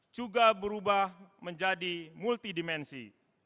juga berubah menjadi multi dimensi